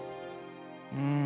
うん。